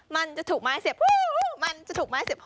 มันจะถูกมาให้เสียบมันจะถูกมาให้เสียบ